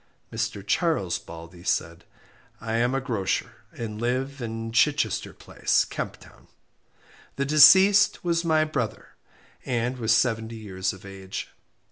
Mr. Charles Baldey said I am a grocer, and live in Chichester Place, Kemp Town. The deceased was my brother, and was seventy years of age.